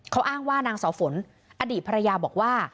เขาอ้างว่านางเสาฝนอดีตภรรยาบอกว่า